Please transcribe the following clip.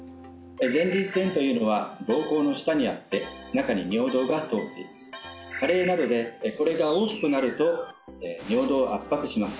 前立腺というのは膀胱の下にあって中に尿道が通っています加齢などでこれが大きくなると尿道を圧迫します